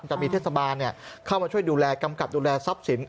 จะมีเทศบาลเข้ามาช่วยดูแลกำกับดูแลทรัพย์สิน